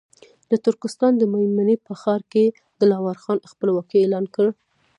د ترکستان د مېمنې په ښار کې دلاور خان خپلواکي اعلان کړه.